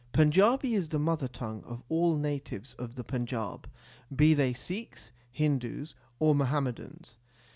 Panjabi is the mother tongue of all natives of the Panjab, be they Sikhs, Hindus, or Muhammadans.